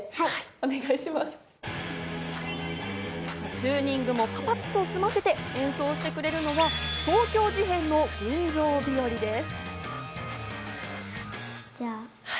チューニングもパパっと済ませて演奏してくれるのは東京事変の『群青日和』です。